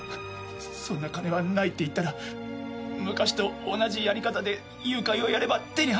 「そんな金はない」って言ったら昔と同じやり方で誘拐をやれば手に入るって。